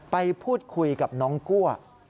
ไปพูดคุยกับน้องกั้ว